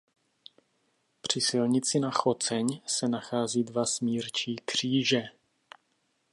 Při silnici na Choceň se nacházejí dva smírčí kříže.